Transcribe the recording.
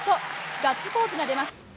ガッツポーズが出ます。